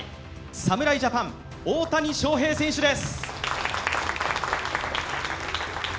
侍ジャパン、大谷翔平選手です。